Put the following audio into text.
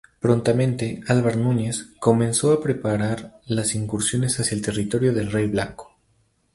Prontamente Alvar Nuñez comenzó a preparar las incursiones hacia el territorio del Rey Blanco.